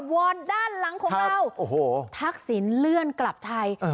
วันด้านหลังของเราทักศิลป์เลื่อนกลับไทย